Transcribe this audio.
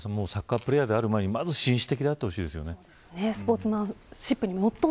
小室さんサッカープレイヤーである前にまず紳士的であってほしいですね。